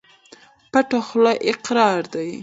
پټه خوله اقرار ده.